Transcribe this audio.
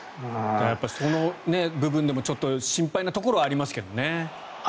その部分でもちょっと心配なところもありますけどね。